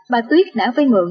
bà tuyết đã vây ngượng